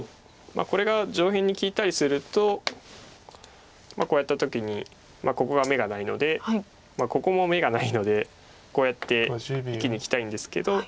これが上辺に利いたりするとこうやった時にここが眼がないのでここも眼がないのでこうやって生きにいきたいんですけど。